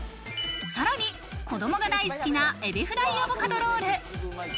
さらに子供が大好きな海老フライアボカドロール。